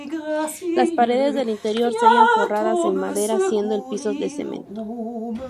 Las paredes del interior se hallan forradas en madera, siendo el piso de cemento.